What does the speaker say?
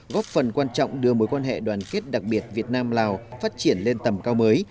góp phần quan trọng đưa mối quan hệ đoàn kết đặc biệt việt nam lào phát triển lên tầm cao mới